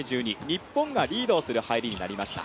日本がリードするような入りになりました。